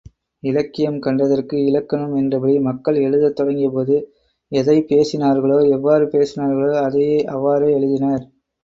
இலக்கியம் கண்டதற்கு இலக்கணம் என்றபடி, மக்கள் எழுதத் தொடங்கியபோது, எதைப் பேசினார்களோ எவ்வாறு பேசினார்களோ அதையே அவ்வாறே எழுதினர்.